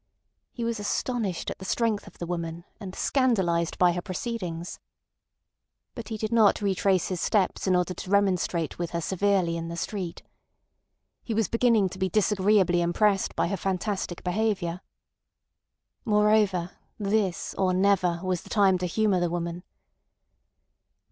He was astonished at the strength of the woman and scandalised by her proceedings. But he did not retrace his steps in order to remonstrate with her severely in the street. He was beginning to be disagreeably impressed by her fantastic behaviour. Moreover, this or never was the time to humour the woman.